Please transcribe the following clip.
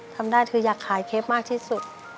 ทำได้คืออยากขายเคปมากที่สุด